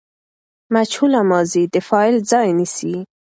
مجهوله ماضي د فاعل ځای نیسي.